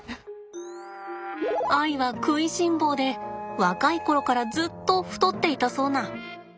愛は食いしん坊で若い頃からずっと太っていたそうな。